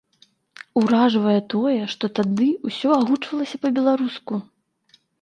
Уражвае тое, што тады ўсё агучвалася па-беларуску.